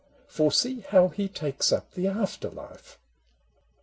For see, how he takes up the after life.